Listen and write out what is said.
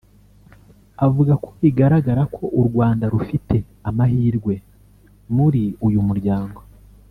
avuga ko bigaragara ko u Rwanda rufite amahirwe muri uyu muryango